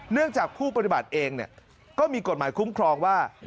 เนื่องจากผู้ปฏิบัติเองเนี่ยก็มีกฎหมายคุ้มครองว่า